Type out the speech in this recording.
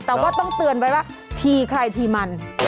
แต่ว่าต้องเตือนไว้ว่าทีใครทีมัน